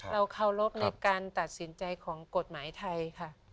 เราเคารพในการตัดสินใจของกฎหมายไทยค่ะ